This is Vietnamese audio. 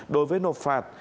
đối với nộp phạt